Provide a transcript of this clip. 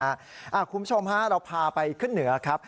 คุณผู้ชมฮะเราพาไปขึ้นเหนือครับ